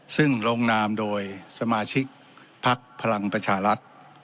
ซึ่งลงนามโดยสมาชิกพักพลังประชารัฐ